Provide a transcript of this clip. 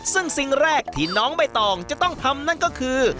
ซึ่งสิ่งแรกที่น้องใบตองจะต้องทำนั่นก็คือ